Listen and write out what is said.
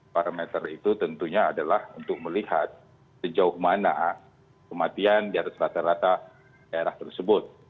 parameter itu tentunya adalah untuk melihat sejauh mana kematian di atas rata rata daerah tersebut